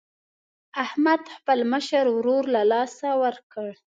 احمد خپل مشر ورور له لاسه ورکړ.